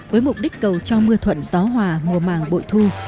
với mục đích cầu cho mưa thuận gió hòa mùa màng bội thu